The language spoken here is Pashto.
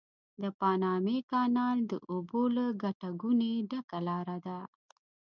د پاماني کانال د اوبو له ګټه ګونې ډکه لاره ده.